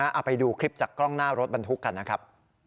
เอาไปดูคลิปจากกล้องหน้ารถบรรทุกกันนะครับ